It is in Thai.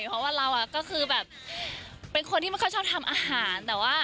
เพราะว่าเราก็คือแบบเป็นคนที่ไม่ค่อยชอบทำอาหารแต่ว่า